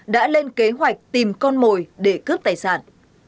đã lên kế hoạch tìm con mồi để cướp tài sản